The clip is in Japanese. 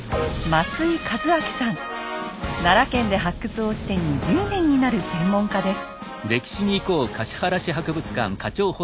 奈良県で発掘をして２０年になる専門家です。